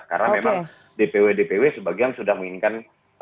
karena memang dpw dpw sebagai yang sudah menginginkan ganjar